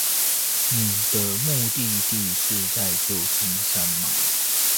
你的目的地是在舊金山嗎